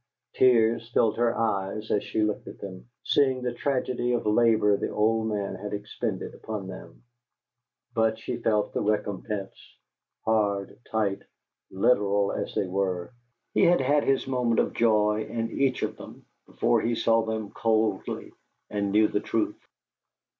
Tears filled her eyes as she looked at them, seeing the tragedy of labor the old man had expended upon them; but she felt the recompense: hard, tight, literal as they were, he had had his moment of joy in each of them before he saw them coldly and knew the truth.